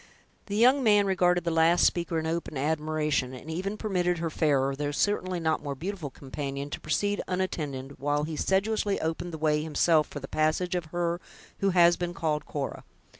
The young man regarded the last speaker in open admiration, and even permitted her fairer, though certainly not more beautiful companion, to proceed unattended, while he sedulously opened the way himself for the passage of her who has been called Cora.